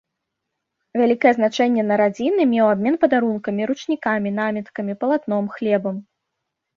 Вялікае значэнне на радзіны меў абмен падарункамі, ручнікамі, наміткамі, палатном, хлебам.